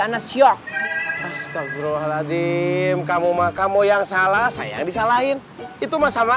anas york astagfirullahaladzim kamu mah kamu yang salah saya yang disalahin itu mah sama